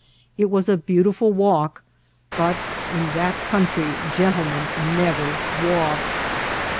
It was a beautiful walk, but in that country gentlemen never walk.